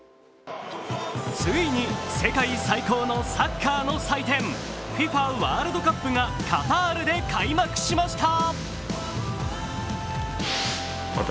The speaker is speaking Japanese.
ついに世界最高のサッカーの祭典、ＦＩＦＡワールドカップがカタールで開幕しました。